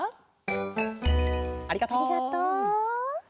ありがとう。